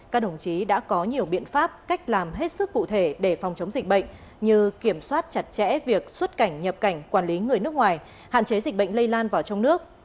các đồng chí đã có nhiều biện pháp cách làm hết sức cụ thể để phòng chống dịch bệnh như kiểm soát chặt chẽ việc xuất cảnh nhập cảnh quản lý người nước ngoài hạn chế dịch bệnh lây lan vào trong nước